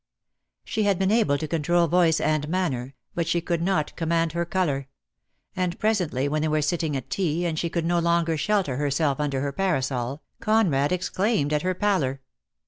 She had been able to control voice and manner, but she could not command her colour; and pre sently when they were sitting at tea, and she could no longer shelter herself under her parasol, Conrad exclaimed at her pallor.